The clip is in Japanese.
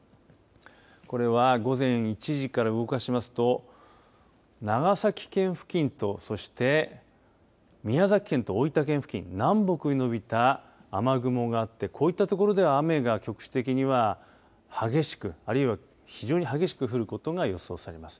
これは午前１時から動かしますと長崎県付近とそして宮崎県と大分県付近南北に伸びた雨雲があってこういったところでは雨が局地的には激しくあるいは非常に激しく降ることが予想されます。